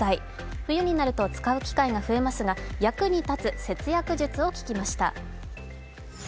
冬になると使う機会が増えますが役に立つ節約術を聞きました。